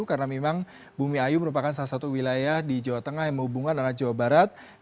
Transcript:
karena memang bumi ayu merupakan salah satu wilayah di jawa tengah yang menghubungkan arah jawa barat